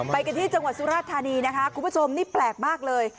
ไปกันที่จังหวัดสุราธานีนะคะคุณผู้ชมนี่แปลกมากเลย